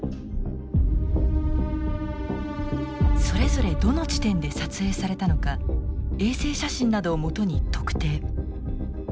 それぞれどの地点で撮影されたのか衛星写真などを基に特定。